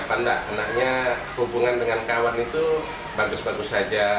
anaknya hubungan dengan kawan itu bagus bagus saja